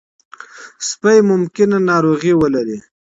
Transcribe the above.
سپي ممکن ناروغي ولري.